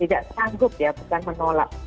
tidak sanggup ya bukan menolak